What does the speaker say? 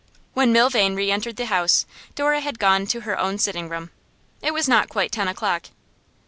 When Milvain re entered the house, Dora had gone to her own sitting room. It was not quite ten o'clock.